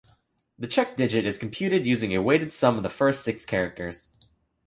The check digit is computed using a weighted sum of the first six characters.